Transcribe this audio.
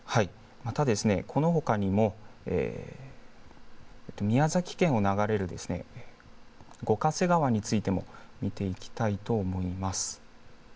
このほかにも宮崎県を流れる五ヶ瀬川についても見ていきたいと思います。